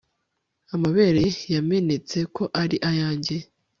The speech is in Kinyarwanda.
Amabere yamenetse ko ari ayanjye